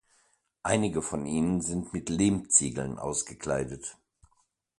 Einige von ihnen sind mit Lehmziegeln ausgekleidet.